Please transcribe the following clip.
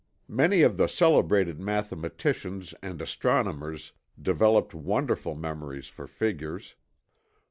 Many of the celebrated mathematicians and astronomers developed wonderful memories for figures.